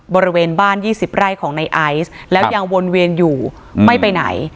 บริเวณบ้าน๒๐ไร่ของในไอซ์แล้วยังวนเวียนอยู่ไม่ไปไหน